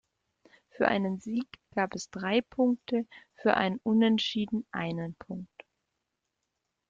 Für einen Sieg gab es drei Punkte und für ein Unentschieden einen Punkt.